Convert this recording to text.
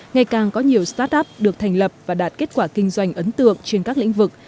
ngày càng có nhiều start up được thành lập và đạt kết quả kinh doanh ấn tượng trên các lĩnh vực